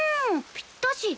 ぴったし。